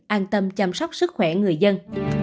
an tâm chăm sóc sức khỏe người dân